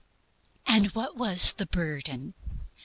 And what was the "burden"?